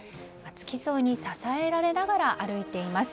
付き添いに支えられながら歩いています。